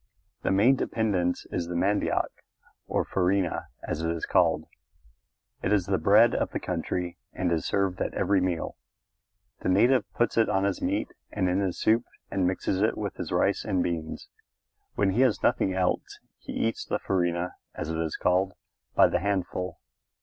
The main dependence is the mandioc, or farina, as it is called. It is the bread of the country and is served at every meal. The native puts it on his meat and in his soup and mixes it with his rice and beans. When he has nothing else he eats the farina, as it is called, by the handful.